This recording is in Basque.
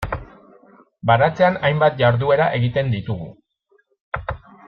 Baratzean hainbat jarduera egiten ditugu.